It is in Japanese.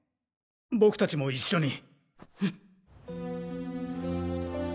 僕たちも一緒に。